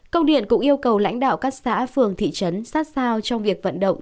công điện cũng yêu cầu lãnh đạo các xã phường thị trấn sát sao trong việc vận động